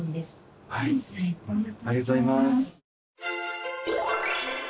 ありがとうございます。